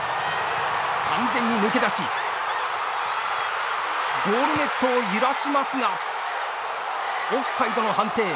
完全に抜け出しゴールネットを揺らしますがオフサイドの判定。